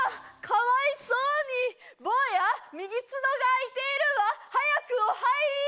かわいそうに坊や右つのがあいているわ早くお入り！